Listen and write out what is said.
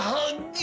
pada pernikahan ini